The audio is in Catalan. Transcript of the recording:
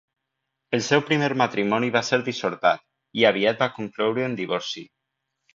El seu primer matrimoni va ser dissortat, i aviat va concloure en divorci.